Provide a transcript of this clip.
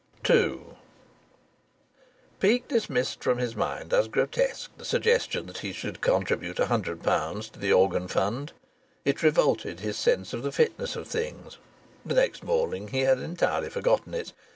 II Peake dismissed from his mind as grotesque the suggestion that he should contribute a hundred pounds to the organ fund; it revolted his sense of the fitness of things; the next morning he had entirely forgotten it.